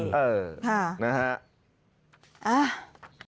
ใช่ภาพ